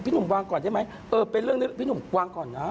หนุ่มวางก่อนได้ไหมเออเป็นเรื่องนี้พี่หนุ่มวางก่อนนะ